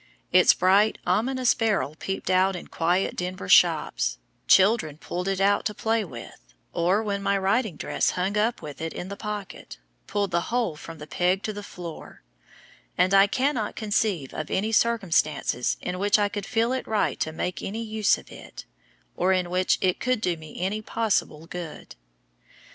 Its bright ominous barrel peeped out in quiet Denver shops, children pulled it out to play with, or when my riding dress hung up with it in the pocket, pulled the whole from the peg to the floor; and I cannot conceive of any circumstances in which I could feel it right to make any use of it, or in which it could do me any possible good.